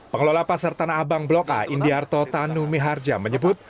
pengelola pasar tanah abang bloka indiarto tanu miharja menyebut